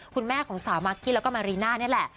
คุณแม่ของสาวมากกี้แล้วก็มารีน่านี่แหละ